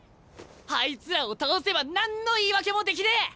あいつらを倒せば何の言い訳もできねえ！